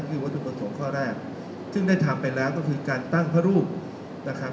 คือวัตถุประสงค์ข้อแรกซึ่งได้ทำไปแล้วก็คือการตั้งพระรูปนะครับ